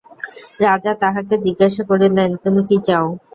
রাজা তাহাকে জিজ্ঞাসা করিলেন, তুমি কী চাও?